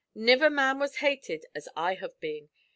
Niver man was hated as I have been.